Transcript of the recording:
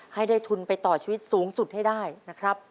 ให้ได้ทุนไปต่อชีวิตสูงสุดให้ได้นะครับ